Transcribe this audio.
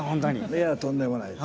いやとんでもないです。